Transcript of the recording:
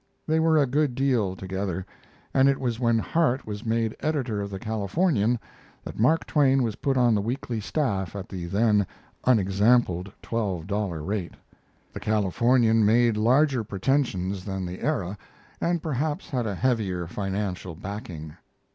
They were a good deal together, and it was when Harte was made editor of the Californian that Mark Twain was put on the weekly staff at the then unexampled twelve dollar rate. The Californian made larger pretensions than the Era, and perhaps had a heavier financial backing.